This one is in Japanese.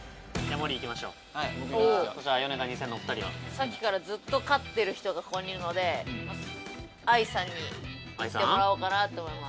さっきからずっと勝ってる人がここにいるので愛さんにいってもらおうかなと思います